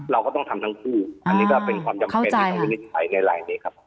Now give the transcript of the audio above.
เราก็ต้องทำทั้งคู่อันนี้ก็เป็นความจำเป็นที่เขาวินิจฉัยในลายนี้ครับ